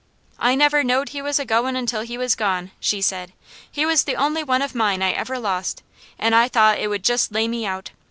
"I never knowed he was a goin' until he was gone," she said. "He was the only one of mine I ever lost, an' I thought it would jest lay me out.